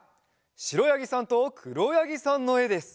しろやぎさんとくろやぎさんのえです。